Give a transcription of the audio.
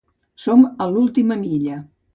Som a l’última milla.